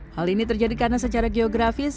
hal ini terjadi karena secara geografis